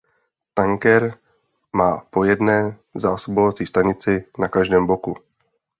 Tanker má po jedné zásobovací stanici na každém boku.